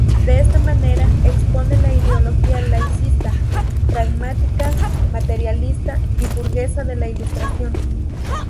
De esta manera, expone la ideología laicista, pragmática, materialista y burguesa de la Ilustración.